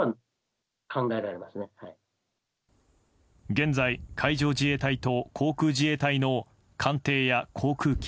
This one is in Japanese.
現在海上自衛隊と航空自衛隊の艦艇や航空機。